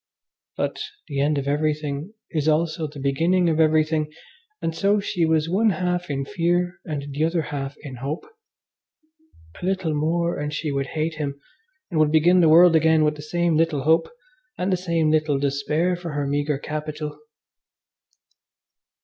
But the end of everything is also the beginning of everything, and so she was one half in fear and the other half in hope. A little more and she would hate him, and would begin the world again with the same little hope and the same little despair for her meagre capital.